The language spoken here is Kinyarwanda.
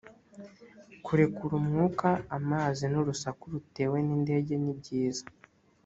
kurekura umwuka amazi n urusaku rutewe nindege nibyiza